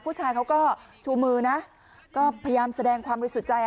ผู้ชายเขาก็ชูมือนะก็พยายามแสดงความบริสุทธิ์ใจ